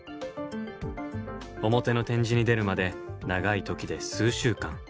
表の展示に出るまで長い時で数週間。